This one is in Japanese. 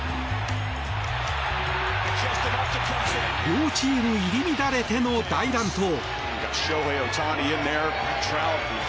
両チーム入り乱れての大乱闘。